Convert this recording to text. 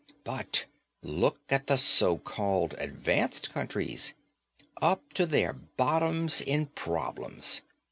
But look at the so called advanced countries. Up to their bottoms in problems.